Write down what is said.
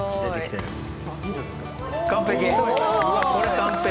完璧。